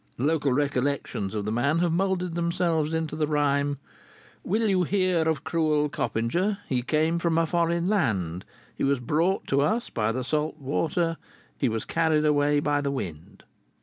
Local recollections of the man have molded themselves into the rhyme Will you hear of Cruel Coppinger? He came from a foreign land: He was brought to us by the salt water, He was carried away by the wind!"